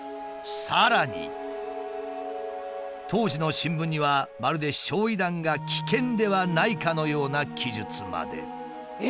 さらに当時の新聞にはまるで焼夷弾が危険ではないかのような記述まで。